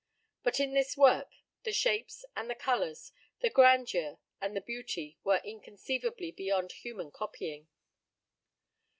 But in this work the shapes and the colors, the grandeur and the beauty were inconceivably beyond human copying.